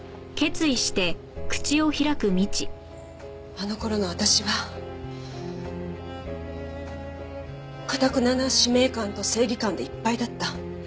あの頃の私は頑なな使命感と正義感でいっぱいだった。